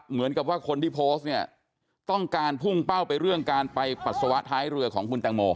เหมือนกับว่าคนที่โพสต์เนี่ยต้องการพุ่งเป้าไปเรื่องการไปปัสสาวะท้ายเรือของคุณแตงโม